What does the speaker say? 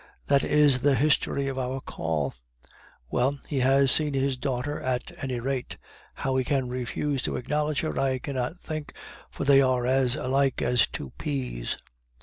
That is the history of our call. Well, he has seen his daughter at any rate. How he can refuse to acknowledge her I cannot think, for they are as alike as two peas."